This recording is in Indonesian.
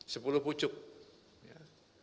sepuluh pucuk ya